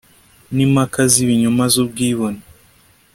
nimpaka zibinyoma zubwibone